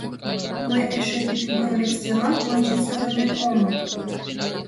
— Мый эше пӱтынь королевствемак ончен савырнен омыл.